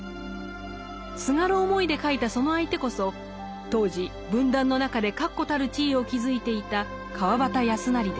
すがる思いで書いたその相手こそ当時文壇の中で確固たる地位を築いていた川端康成でした。